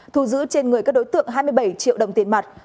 thu giữ trên người các đối tượng hai mươi bảy triệu đồng tiền mặt